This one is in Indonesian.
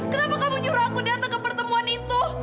kenapa kamu nyuruh aku datang ke pertemuan itu